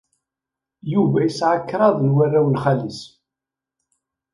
Yuba yesɛa kraḍ n warraw n xali-s.